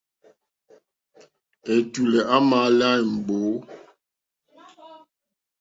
Ɛ̀tùlɛ̀ á mā lá mbǒ.